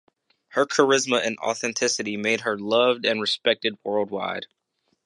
Her charisma and authenticity made her loved and respected worldwide.